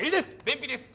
便秘です。